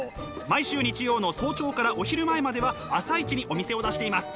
毎週日曜の早朝からお昼前までは朝市にお店を出しています。